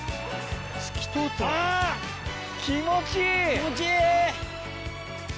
気持ちいい！